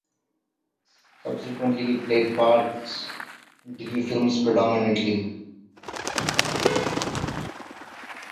Subsequently, he played parts in TV films predominantly.